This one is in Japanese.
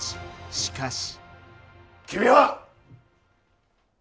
しかし。